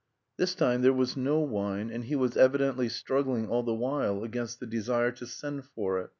This time there was no wine, and he was evidently struggling all the while against the desire to send for it.